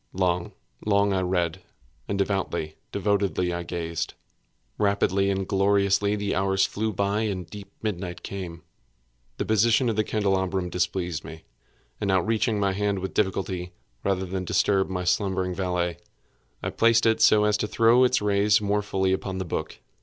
Long, long I read—and devoutly, devotedly I gazed. Rapidly and gloriously the hours flew by and the deep midnight came. The position of the candelabrum displeased me, and outreaching my hand with difficulty, rather than disturb my slumbering valet, I placed it so as to throw its rays more fully upon the book.